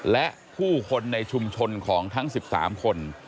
และผู้คนในชุมชนของทั้ง๑๓คน